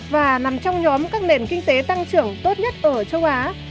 và nằm trong nhóm các nền kinh tế tăng trưởng tốt nhất ở châu á